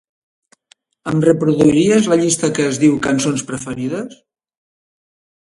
Em reproduiries la llista que es diu cançons preferides?